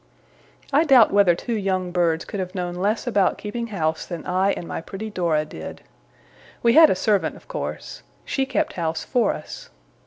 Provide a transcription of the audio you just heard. I doubt whether two young birds could have known less about keeping house, than I and my pretty Dora did. We had a servant, of course. She kept house for us.